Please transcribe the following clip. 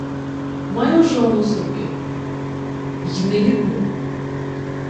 — Маю жону собі... Й не їдну.